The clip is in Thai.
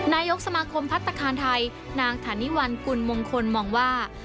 นายกสมาคมพัฒนาคารไทยนางฐานิวัลกุลมงคลมองว่า